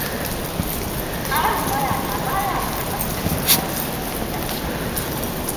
Tsarin wayata ba ya karɓar kiran caji ya maida.